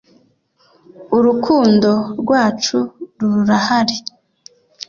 urukundo rwacu rurahari